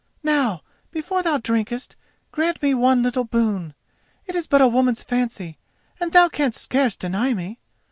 "Now, before thou drinkest, grant me one little boon. It is but a woman's fancy, and thou canst scarce deny me.